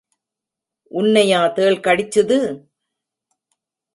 உன்னையா தேள் கடிச்சுது?